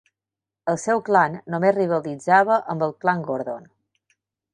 El seu "clan" només rivalitzava amb el clan Gordon.